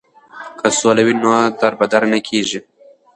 که سوله وي نو دربدره نه کیږي.